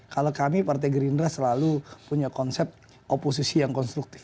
kalau kami partai gerindra selalu punya konsep oposisi yang konstruktif